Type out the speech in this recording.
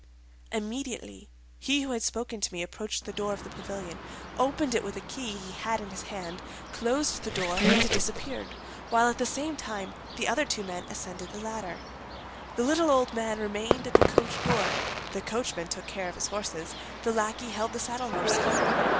Immediately, he who had spoken to me approached the door of the pavilion, opened it with a key he had in his hand, closed the door and disappeared, while at the same time the other two men ascended the ladder. The little old man remained at the coach door; the coachman took care of his horses, the lackey held the saddlehorses.